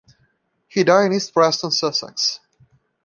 He died in East Preston, Sussex.